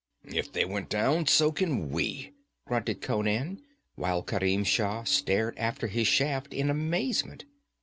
'If they went down, so can we!' grunted Conan, while Kerim Shah stared after his shaft in amazement.